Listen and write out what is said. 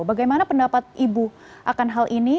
bagaimana pendapat ibu akan hal ini